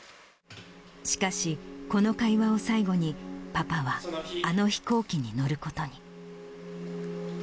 しかし、この会話を最後に、パパは、あの飛行機に乗ることに。